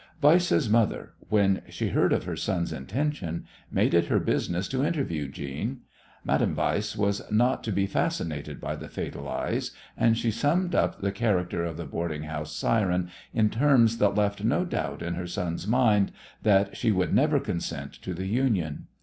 Weiss's mother, when she heard of her son's intention, made it her business to interview Jeanne. Madame Weiss was not to be fascinated by the "fatal eyes," and she summed up the character of the boarding house siren in terms that left no doubt in her son's mind that she would never consent to the union.